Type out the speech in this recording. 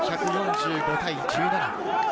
１４５対１７。